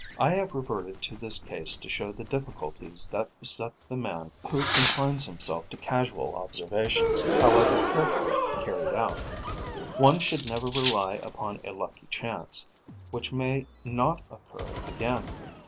I have reverted to this case to show the difficulties that beset the man who confines himself to casual observations, however carefully carried out. One should never rely upon a lucky chance, which may not occur again.